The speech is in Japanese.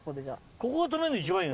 ここで止めるの一番いいよね。